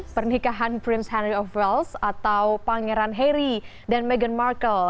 pernikahan prince handary of wales atau pangeran harry dan meghan markle